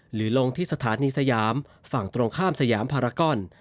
หรือลงที่สถานีสยามฝั่งตรงข้ามสยามภารกร